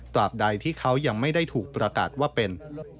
บใดที่เขายังไม่ได้ถูกประกาศว่าเป็น